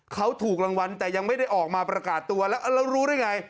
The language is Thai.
เขาถูกรางวัลแต่ยังไม่ได้ออกมาประกาศตัวแล้วเรารู้ได้ไง